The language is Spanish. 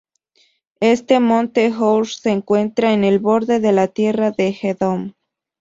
Este monte Hor se encuentra "en el borde de la tierra de la Edom".